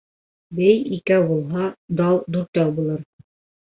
Бей икәү булһа, дау дүртәү булыр.